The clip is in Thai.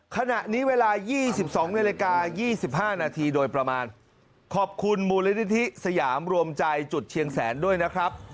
ขณะนี้เวลา๒๒นาฬิกา๒๕นาทีโดยประมาณขอบคุณมูลนิธิสยามรวมใจจุดเชียงแสนด้วยนะครับ